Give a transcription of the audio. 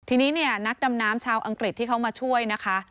ทีนี้เนี่ยนักดำน้ำชาวอังกฤษที่เขามาช่วยนะคะ